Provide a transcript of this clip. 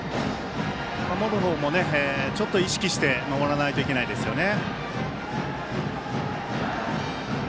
守る方も、ちょっと意識して守らないといけないですよね。